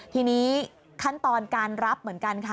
ทีนี้ขั้นตอนการรับเหมือนกันค่ะ